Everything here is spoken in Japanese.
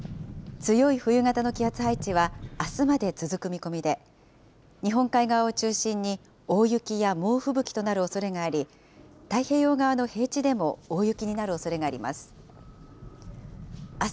強い冬型の気圧配置は、あすまで続く見込みで、日本海側を中心に大雪や猛吹雪となるおそれがあり、太平洋側の平地でも大雪になるおそれがあります。